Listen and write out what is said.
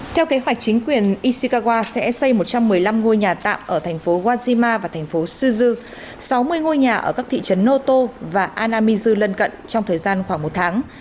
theo kế hoạch chính quyền ishikawa sẽ xây một trăm một mươi năm ngôi nhà tạm ở thành phố wajima và thành phố shizu sáu mươi ngôi nhà ở các thị trấn noto và anamizu lân cận trong thời gian khoảng một tháng